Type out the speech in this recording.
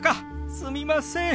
すみません。